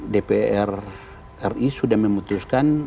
dpr ri sudah memutuskan